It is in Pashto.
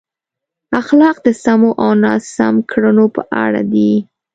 اخلاق د سمو او ناسم کړنو په اړه دي.